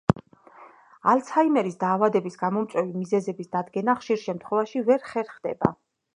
ალცჰაიმერის დაავადების გამომწვევი მიზეზების დადგენა, ხშირ შემთხვევაში, ვერ ხერხდება.